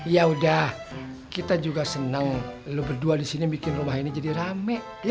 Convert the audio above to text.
ya udah kita juga senang lu berdua di sini bikin rumah ini jadi rame